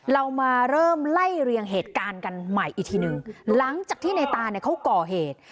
เรามาเริ่มไล่เรียงเหตุการณ์กันใหม่อีกทีหนึ่งหลังจากที่ในตาเนี่ยเขาก่อเหตุ